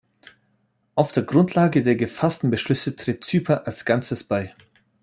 Auf der Grundlage der gefassten Beschlüsse tritt Zypern als Ganzes bei.